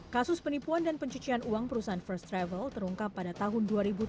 kasus penipuan dan pencucian uang perusahaan first travel terungkap pada tahun dua ribu tujuh belas